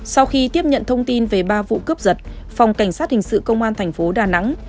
sau khi tiếp nhận thông tin về ba vụ cướp giật phòng cảnh sát hình sự công an thành phố đà nẵng